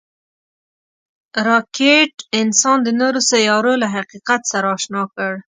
راکټ انسان د نورو سیارو له حقیقت سره اشنا کړ